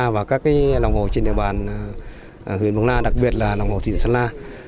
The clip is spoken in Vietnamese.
và các lòng hồ trên địa bàn huyện mường la đặc biệt là lòng hồ thủy điện sơn la